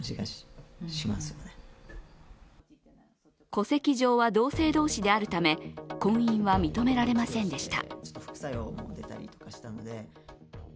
戸籍上は同性同士であるため婚姻は認められませんでした。